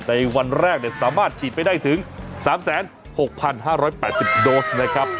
ในวันแรกสามารถฉีดไปได้ถึง๓๖๕๘๐โดสนะครับ